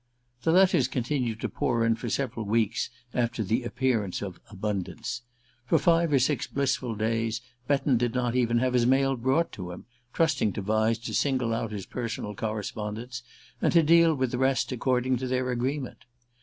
The letters continued to pour in for several weeks after the appearance of "Abundance." For five or six blissful days Betton did not even have his mail brought to him, trusting to Vyse to single out his personal correspondence, and to deal with the rest according to their agreement.